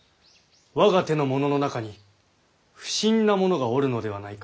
我が手の者の中に不審な者がおるのではないか？